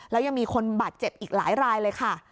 แล้วยังมีคนบาดเจ็บอีกหลายรายเลยค่ะ